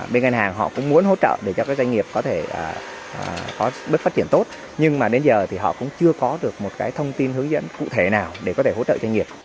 bên ngân hàng họ cũng muốn hỗ trợ để cho các doanh nghiệp có thể có bước phát triển tốt nhưng mà đến giờ thì họ cũng chưa có được một cái thông tin hướng dẫn cụ thể nào để có thể hỗ trợ doanh nghiệp